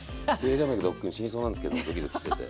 動脈どっくん死にそうなんですけどドキドキしてて。